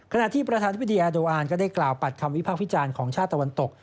ขณะที่ประธานธิบดีแอโดอานก็ได้กล่าวปัดคำวิพากษ์วิจารณ์ของชาติตะวันตก